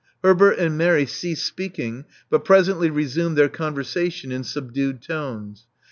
Herbert and Mary ceased speaking, but presently resumed their conversation in subdued tones.